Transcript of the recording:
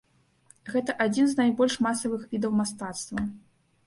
Гэта адзін з найбольш масавых відаў мастацтва.